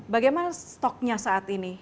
bagaimana stoknya saat ini